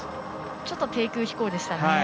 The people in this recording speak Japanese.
ちょっと低空飛行でしたね。